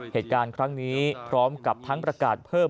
เหตุการณ์ครั้งนี้พร้อมกับทั้งประกาศเพิ่ม